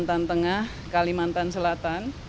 kalimantan tengah kalimantan selatan